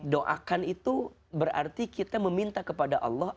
doakan itu berarti kita meminta kepada allah